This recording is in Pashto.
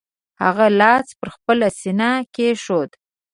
هغه لاس پر خپله سینه کېښود.